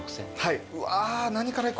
うわ何からいこう。